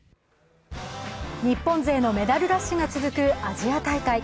日本勢のメダルラッシュが続くアジア大会。